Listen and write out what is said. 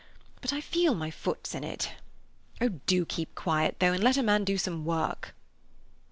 But I feel my foot's in it. Oh, do keep quiet, though, and let a man do some work."